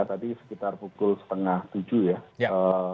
tadi sekitar pukul setengah tujuh ya